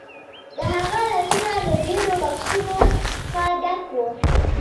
د هغه لاسونه له ډیرو بکسونو څخه ډک وو